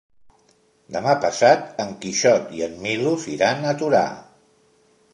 Demà passat en Quixot i en Milos iran a Torà.